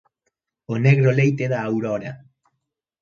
O negro leite da aurora.